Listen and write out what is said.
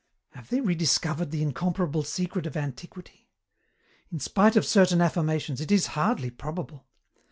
"Have they rediscovered the incomparable secret of antiquity? In spite of certain affirmations, it is hardly probable.